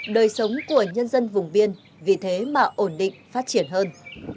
đời sống của nhân dân vùng biên vì thế mà ổn định phát triển hơn